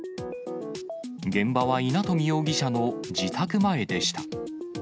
現場は稲冨容疑者の自宅前でした。